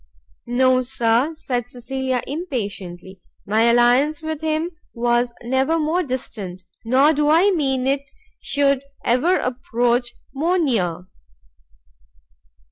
"No, Sir," said Cecilia, impatiently, "my alliance with him was never more distant, nor do I mean it should ever approach more near."